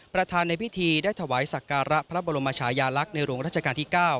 ประธานในพิธีได้ถวายสักการะพระบรมชายาลักษณ์ในหลวงราชการที่๙